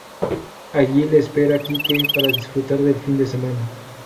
Allí le espera Kike para disfrutar del fin de semana.